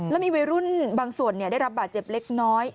แล้วมีวัยรุ่นบางส่วนได้รับบาดเจ็บเล็กน้อย